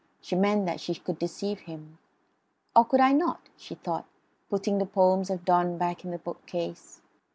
She meant that she could deceive him. "Or could I not?" she thought, putting the poems of Donne back in the bookcase.